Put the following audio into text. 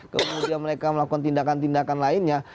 kemudian mereka melakukan tindakan tindakan lainnya